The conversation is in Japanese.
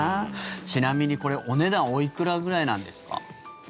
ちなみにこれ、お値段おいくらくらいなんですか？